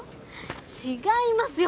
違いますよ